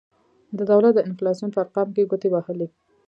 د دولت د انفلاسیون په ارقامو کې ګوتې وهلي.